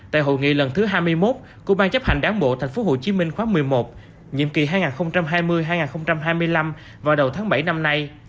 tại hội nghị lần thứ hai mươi một của ban chấp hành đáng bộ thành phố hồ chí minh khóa một mươi một nhiệm kỳ hai nghìn hai mươi hai nghìn hai mươi năm vào đầu tháng bảy năm nay